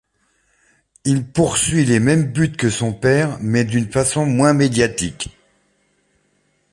Il poursuit les mêmes buts que son père, mais d’une façon moins médiatique.